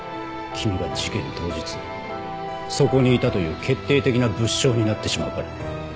君が事件当日そこにいたという決定的な物証になってしまうから。